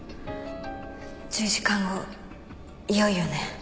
１０時間後いよいよね。